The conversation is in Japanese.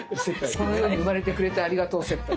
この世に生まれてくれてありがとう接待。